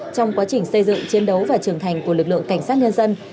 trong quá trình xây dựng chiến đấu và trưởng thành của lực lượng cảnh sát nhân dân